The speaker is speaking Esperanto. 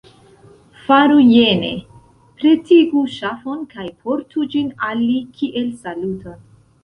Faru jene: pretigu ŝafon kaj portu ĝin al li kiel saluton.